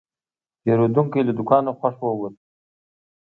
پیرودونکی له دوکانه خوښ ووت.